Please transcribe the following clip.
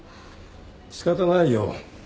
仕方ないよ。